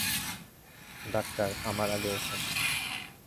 Doctor, আমার আগে ওঠো!